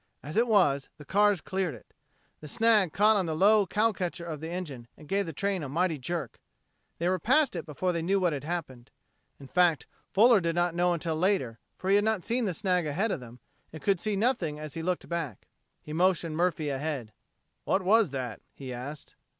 As it was, the cars cleared it. The snag caught on the low cow catcher of the engine and gave the train a mighty jerk. They were past it before they knew what had happened. In fact, Fuller did not know until later, for he had not seen the snag ahead of them, and he could see nothing as he looked back. He motioned Murphy ahead. "What was that?" he asked.